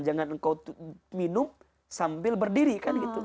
jangan engkau minum sambil berdiri kan gitu